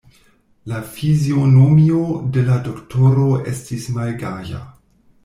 La fizionomio de la doktoro estis malgaja.